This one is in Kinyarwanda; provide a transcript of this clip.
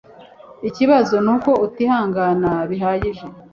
Ikibazo nuko utihangana bihagije